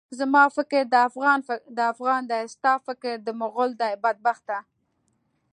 زما فکر د افغان دی، ستا فکر د مُغل دی، بدبخته!